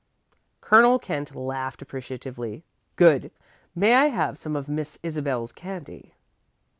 Colonel Kent laughed appreciatively. "Good! May I have some of Miss Isabel's candy?"